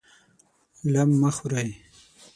لم مه خورئ!